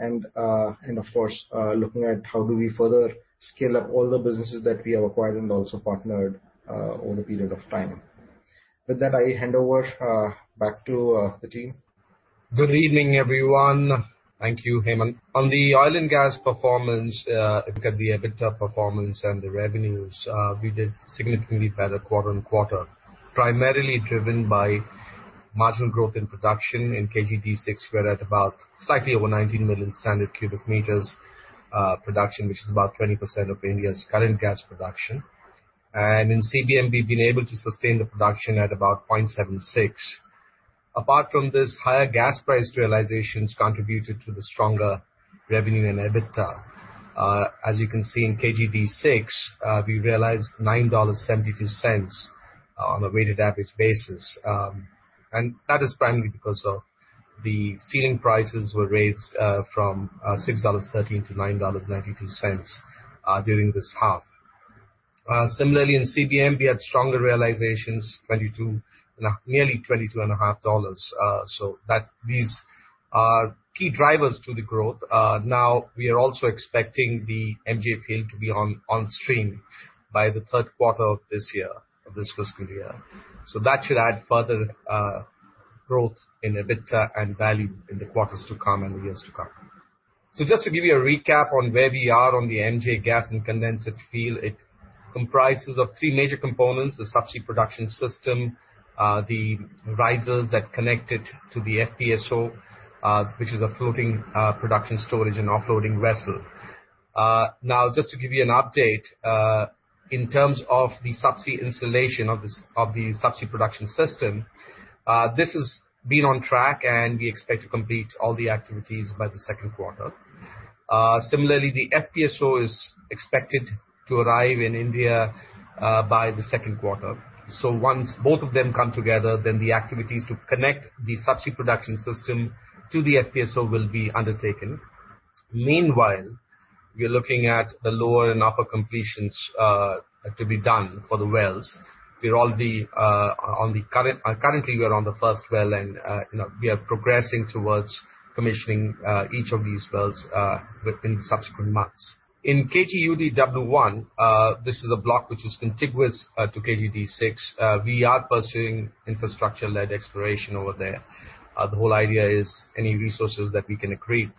Of course, looking at how do we further scale up all the businesses that we have acquired and also partnered over the period of time. With that, I hand over back to the team. Good evening, everyone. Thank you, Gaurav Jain. On the oil and gas performance, look at the EBITDA performance and the revenues, we did significantly better quarter-on-quarter, primarily driven by marginal growth in production. In KG D6, we're at about slightly over 19 million standard cubic meters production, which is about 20% of India's current gas production. In CBM, we've been able to sustain the production at about 0.76. Apart from this higher gas price realizations contributed to the stronger revenue in EBITDA. As you can see in KG D6, we realized $9.72 on a weighted average basis. That is primarily because of the ceiling prices were raised from $6.13 to $9.92 during this half. Similarly in CBM, we had stronger realizations, 22... Nearly $22.5. That these are key drivers to the growth. Now we are also expecting the MJ field to be on stream by the Q3 of this year, of this fiscal year. That should add further growth in EBITDA and value in the quarters to come and the years to come. Just to give you a recap on where we are on the MJ gas and condensate field, it comprises of three major components, the subsea production system, the risers that connect it to the FPSO, which is a floating production storage and offloading vessel. Now just to give you an update, in terms of the subsea installation of the subsea production system, this has been on track, and we expect to complete all the activities by the Q2. Similarly, the FPSO is expected to arrive in India by the Q2. Once both of them come together, then the activities to connect the subsea production system to the FPSO will be undertaken. Meanwhile, we are looking at the lower and upper completions to be done for the wells. We're already currently we are on the first well, and you know, we are progressing towards commissioning each of these wells within subsequent months. In KG-UDW1, this is a block which is contiguous to KG D6. We are pursuing infrastructure-led exploration over there. The whole idea is any resources that we can accrete,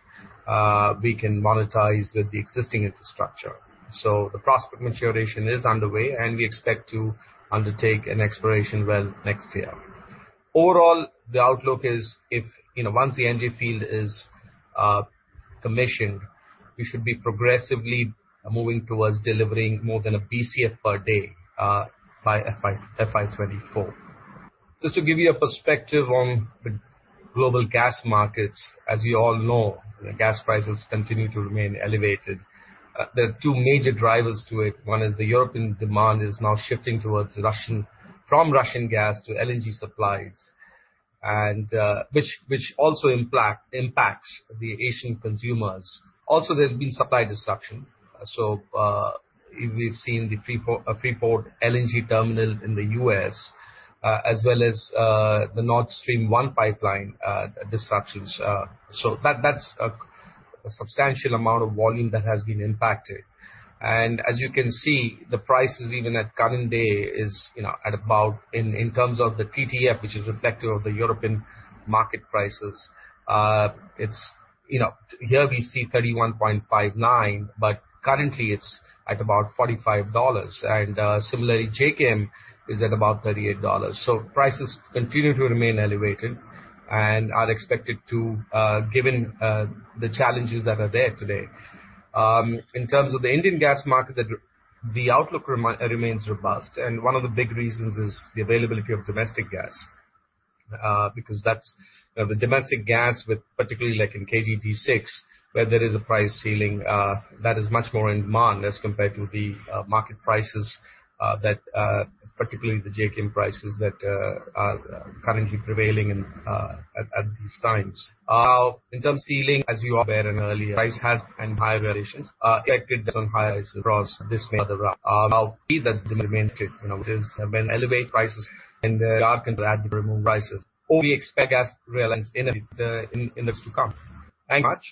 we can monetize with the existing infrastructure. The prospect maturation is underway, and we expect to undertake an exploration well next year. Overall, the outlook is, you know, once the MJ field is commissioned, we should be progressively moving towards delivering more than a BCF per day by FY 2024. Just to give you a perspective on the global gas markets, as you all know, the gas prices continue to remain elevated. There are two major drivers to it. One is the European demand is now shifting from Russian gas to LNG supplies, and which also impacts the Asian consumers. Also, there's been supply disruption. We've seen the Freeport LNG terminal in the US, as well as the Nord Stream one pipeline disruptions. That's a substantial amount of volume that has been impacted. As you can see, the prices even at current day is, you know, at about. In terms of the TTF, which is reflective of the European market prices, it's, you know, here we see 31.59, but currently it's at about $45. Similarly, JKM is at about $38. Prices continue to remain elevated and are expected to, given the challenges that are there today. In terms of the Indian gas market, the outlook remains robust, and one of the big reasons is the availability of domestic gas. Because that's, you know, the domestic gas, particularly like in KG D6, where there is a price ceiling, that is much more in demand as compared to the market prices, particularly the JKM prices that are currently prevailing at these times. In terms of selling, as you are aware and earlier, prices have been higher realizations expected on higher prices across the other route. We'll see that the main trade, you know, which is when elevate prices in the area compared to market prices. Overall we expect gas realization in the interim to come. Thank you much.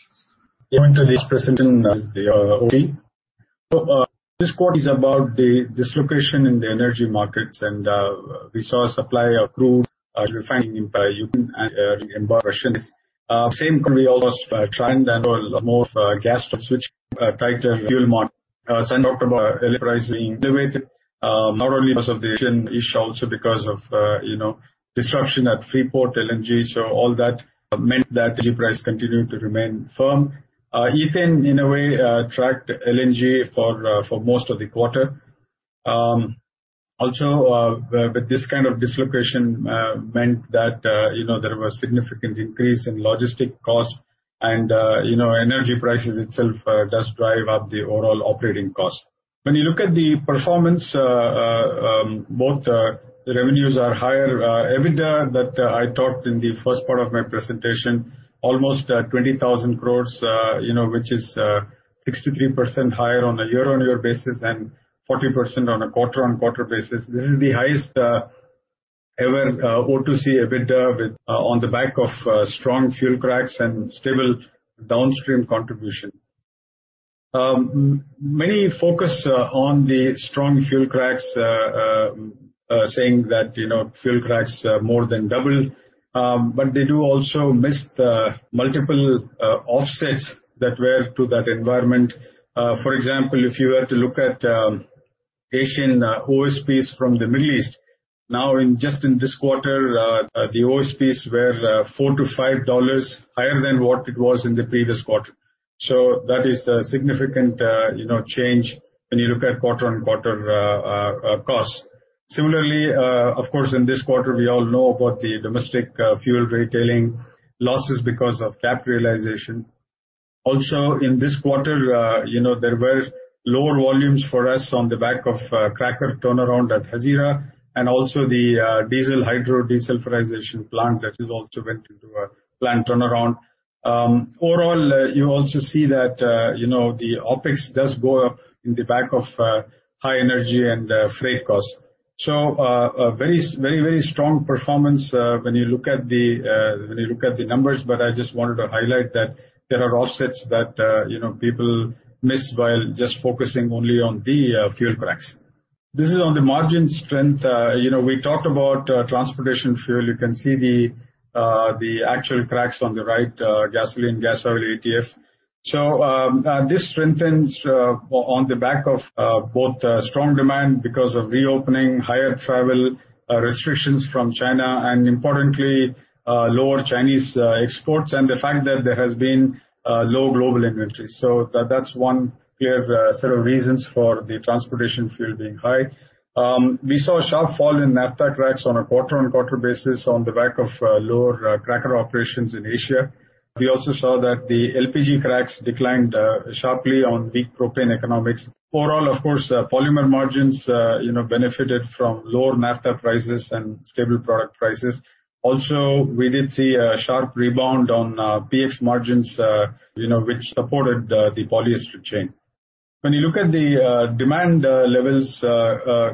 Going to this presentation as the O2C. This quarter is about the dislocation in the energy markets, and we saw supply of crude refining impact in Russia. We can also try and handle more gas to switch tighter fuel margin. Sanjay Roy talked about LNG pricing limited, not only because of the Asian issue, also because of, you know, disruption at Freeport LNG. All that meant that LNG price continued to remain firm. Ethane, in a way, tracked LNG for most of the quarter. Also, with this kind of dislocation, meant that, you know, there was significant increase in logistics costs and, you know, energy prices itself does drive up the overall operating cost. When you look at the performance, both the revenues are higher. EBITDA that I talked in the first part of my presentation, almost 20,000 crore, you know, which is 63% higher on a year-on-year basis and 40% on a quarter-on-quarter basis. This is the highest ever O2C EBITDA on the back of strong fuel cracks and stable downstream contribution. Many focus saying that, you know, fuel cracks more than double. They do also miss the multiple offsets that were to that environment. For example, if you were to look at Asian OSPs from the Middle East, now in just this quarter, the OSPs were $4-$5 higher than what it was in the previous quarter. That is a significant, you know, change when you look at quarter-over-quarter costs. Similarly, of course, in this quarter, we all know about the domestic fuel retailing losses because of cap realization. Also, in this quarter, you know, there were lower volumes for us on the back of cracker turnaround at Hazira and also the diesel hydrodesulfurization plant that has also went into a plant turnaround. Overall, you also see that, you know, the OpEx does go up in the back of high energy and freight costs. A very strong performance when you look at the numbers, but I just wanted to highlight that there are offsets that you know people miss while just focusing only on the fuel cracks. This is on the margin strength. You know, we talked about transportation fuel. You can see the actual cracks on the right, gasoline, gas oil, ATF. This strengthens on the back of both strong demand because of reopening, higher travel restrictions from China, and importantly, lower Chinese exports, and the fact that there has been low global inventory. That's one clear set of reasons for the transportation fuel being high. We saw a sharp fall in naphtha cracks on a quarter-on-quarter basis on the back of lower cracker operations in Asia. We also saw that the LPG cracks declined sharply on weak propane economics. Overall, of course, polymer margins, you know, benefited from lower naphtha prices and stable product prices. Also, we did see a sharp rebound on PX margins, you know, which supported the polyester chain. When you look at the demand levels,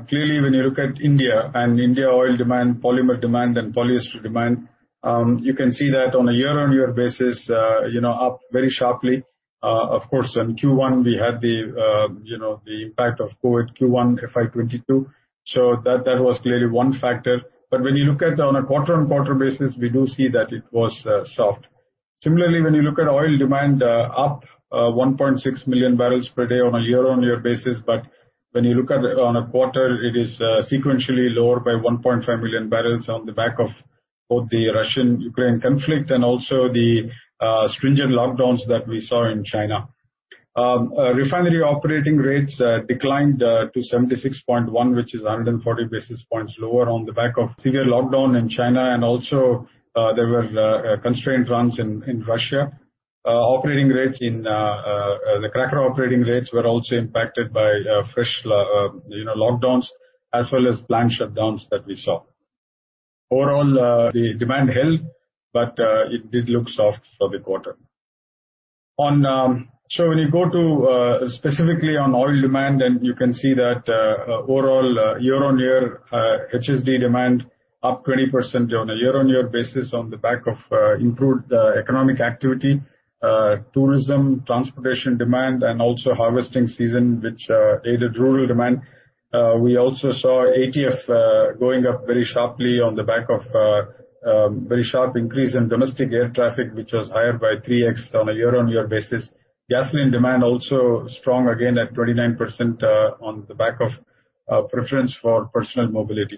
clearly when you look at India, Indian oil demand, polymer demand, and polyester demand, you can see that on a year-on-year basis, you know, up very sharply. Of course, in Q1 we had the, you know, impact of COVID Q1 FY 2022. That was clearly one factor. When you look at on a quarter-on-quarter basis, we do see that it was soft. Similarly, when you look at oil demand, up 1.6 million barrels per day on a year-on-year basis. When you look at it on a quarter, it is sequentially lower by 1.5 million barrels on the back of both the Russia-Ukraine conflict and also the stringent lockdowns that we saw in China. Refinery operating rates declined to 76.1, which is 140 basis points lower on the back of severe lockdown in China and also there were constrained runs in Russia. Operating rates in the cracker operating rates were also impacted by fresh lockdowns, you know, as well as planned shutdowns that we saw. Overall, the demand held, but it did look soft for the quarter. When you go to specifically on oil demand, and you can see that overall year-on-year HSD demand up 20% on a year-on-year basis on the back of improved economic activity, tourism, transportation demand, and also harvesting season, which aided rural demand. We also saw ATF going up very sharply on the back of very sharp increase in domestic air traffic, which was higher by 3x on a year-on-year basis. Gasoline demand also strong again at 29% on the back of preference for personal mobility.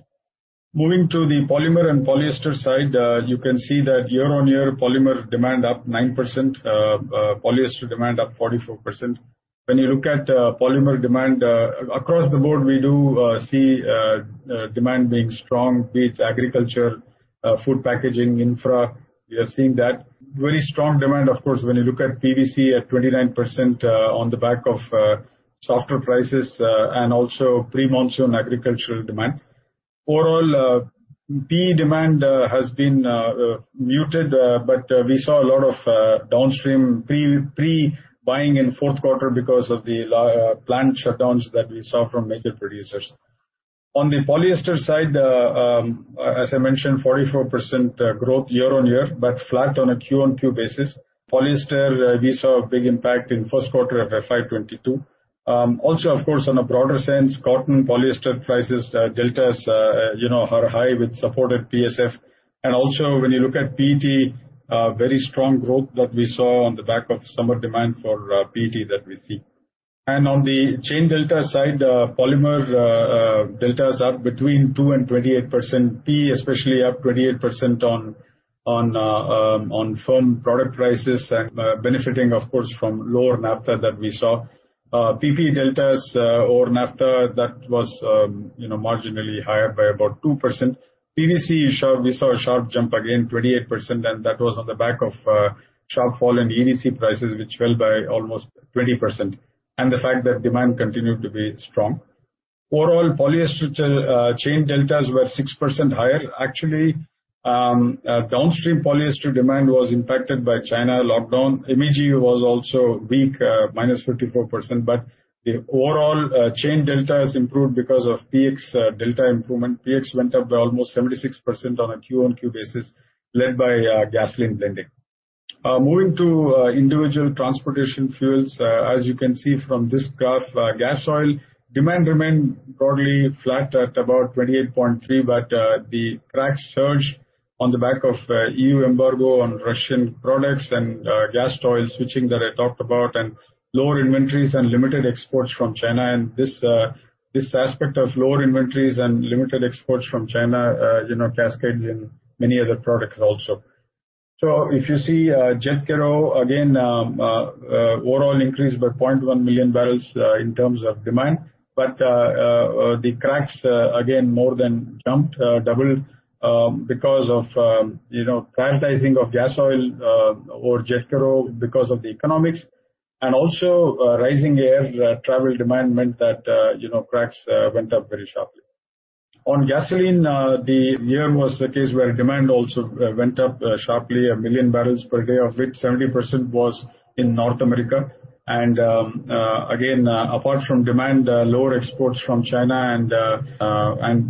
Moving to the polymer and polyester side, you can see that year-on-year polymer demand up 9%, polyester demand up 44%. When you look at polymer demand across the board, we do see demand being strong, be it agriculture, food packaging, infra. We are seeing that. Very strong demand, of course, when you look at PVC at 29%, on the back of softer prices and also pre-monsoon agricultural demand. Overall PE demand has been muted, but we saw a lot of downstream pre-buying in Q4 because of the plant shutdowns that we saw from major producers. On the polyester side, as I mentioned, 44% growth year-on-year, but flat on a quarter-on-quarter basis. Polyester, we saw a big impact in Q1 of FY 2022. Also of course, on a broader sense, cotton, polyester prices, deltas, you know, are high with supported PSF. Also when you look at PET, very strong growth that we saw on the back of summer demand for PET that we see. On the chain delta side, polymer deltas up between 2%-28%. PE especially up 28% on firm product prices and benefiting of course from lower naphtha that we saw. PP deltas over naphtha that was you know marginally higher by about 2%. PVC showed we saw a sharp jump again, 28%, and that was on the back of sharp fall in EDC prices, which fell by almost 20%, and the fact that demand continued to be strong. Overall, polyester chain deltas were 6% higher. Actually, downstream polyester demand was impacted by China lockdown. MEG was also weak, minus 54%. The overall chain delta has improved because of PX delta improvement. PX went up by almost 76% on a quarter-over-quarter basis, led by gasoline blending. Moving to individual transportation fuels. As you can see from this graph, gasoil demand remained broadly flat at about 28.3, but the cracks surged on the back of EU embargo on Russian products and gasoil switching that I talked about, and lower inventories and limited exports from China. This aspect of lower inventories and limited exports from China, you know, cascades in many other products also. If you see, jet kero again, overall increased by 0.1 million barrels, in terms of demand, but the cracks, again, more than doubled, because of, you know, prioritizing of gasoil, or jet kero because of the economics. Also, rising air travel demand meant that, you know, cracks went up very sharply. On gasoline, the year was the case where demand also went up, sharply, one million barrels per day, of which 70% was in North America. Again, apart from demand, lower exports from China and,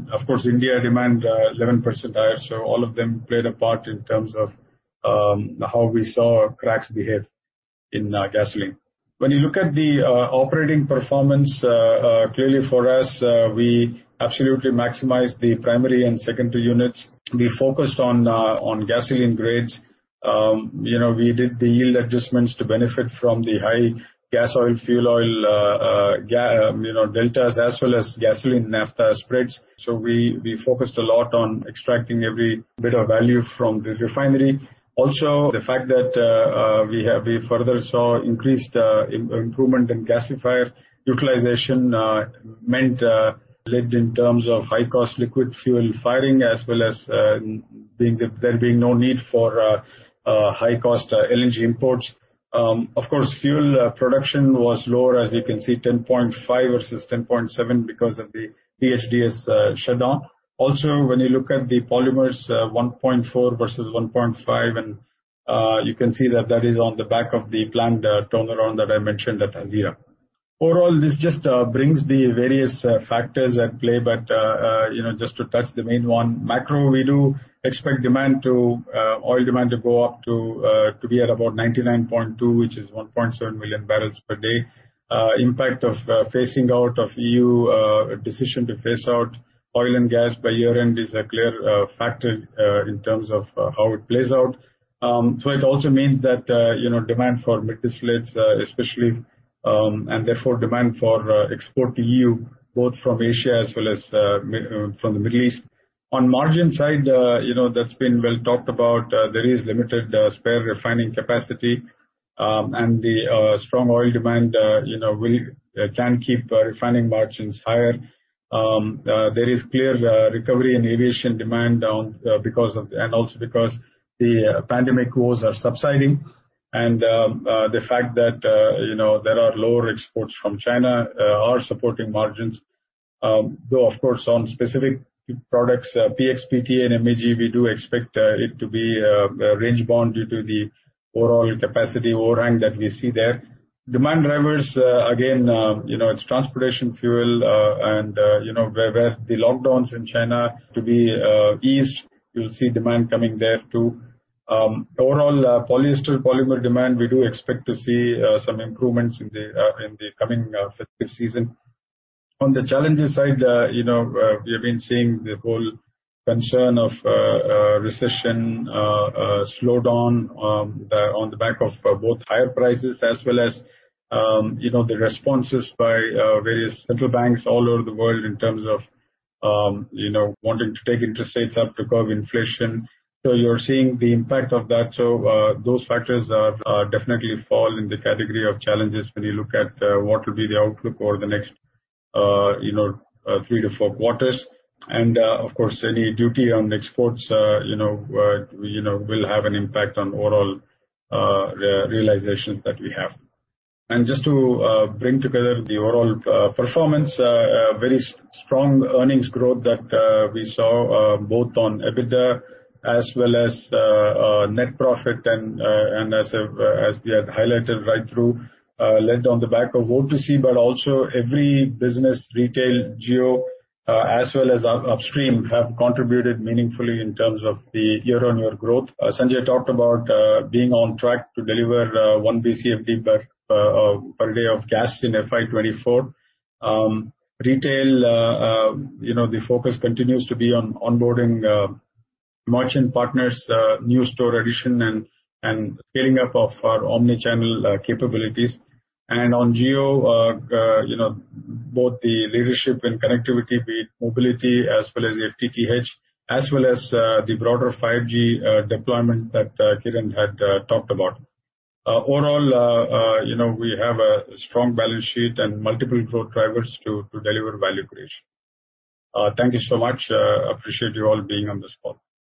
of course, India demand, 11% higher. All of them played a part in terms of, how we saw cracks behave in, gasoline. When you look at the operating performance, clearly for us, we absolutely maximized the primary and secondary units. We focused on gasoline grades. You know, we did the yield adjustments to benefit from the high gasoil, fuel oil deltas as well as gasoline naphtha spreads. We focused a lot on extracting every bit of value from the refinery. Also, the fact that we further saw increased improvement in gasifier utilization meant led in terms of high-cost liquid fuel firing, as well as there being no need for high-cost LNG imports. Of course, fuel production was lower, as you can see, 10.5 versus 10.7 because of the DHDS shutdown. Also, when you look at the polymers, 1.4 versus 1.5, and you can see that that is on the back of the planned turnaround that I mentioned at Hazira. Overall, this just brings the various factors at play. You know, just to touch the main one, macro, we do expect oil demand to go up to be at about 99.2, which is 1.7 million barrels per day. Impact of the EU decision to phase out oil and gas by year-end is a clear factor in terms of how it plays out. It also means that, you know, demand for mid-distillates, especially, and therefore demand for export to EU, both from Asia as well as from the Middle East. On margin side, you know, that's been well talked about. There is limited spare refining capacity. The strong oil demand, you know, can keep refining margins higher. There is clear recovery in aviation demand down because of and also because the pandemic woes are subsiding. The fact that, you know, there are lower exports from China are supporting margins. Though, of course, on specific products, PX, PTA and MEG, we do expect it to be range bound due to the overall capacity overhang that we see there. Demand drivers, again, you know, it's transportation fuel, and you know where the lockdowns in China to be eased, you'll see demand coming there too. Overall, polyester polymer demand, we do expect to see some improvements in the coming fifth season. On the challenges side, you know, we have been seeing the whole concern of recession, slowdown, on the back of both higher prices as well as, you know, the responses by various central banks all over the world in terms of, you know, wanting to take interest rates up to curb inflation. You're seeing the impact of that. Those factors definitely fall in the category of challenges when you look at what will be the outlook over the next three to Q4. Of course, any duty on exports will have an impact on overall realizations that we have. Just to bring together the overall performance, a very strong earnings growth that we saw both on EBITDA as well as net profit and as we had highlighted right through, led on the back of O2C, but also every business, retail, Jio, as well as upstream, have contributed meaningfully in terms of the year-on-year growth. Sanjay talked about being on track to deliver 1 BCFD per day of gas in FY 2024. Retail, you know, the focus continues to be on onboarding merchant partners, new store addition and scaling up of our omni-channel capabilities. On Jio, you know, both the leadership and connectivity, be it mobility as well as the FTTH, as well as the broader 5G deployment that Kiran had talked about. Overall, you know, we have a strong balance sheet and multiple growth drivers to deliver value creation. Thank you so much. Appreciate you all being on this call.